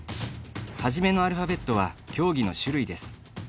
はじめのアルファベットは競技の種類です。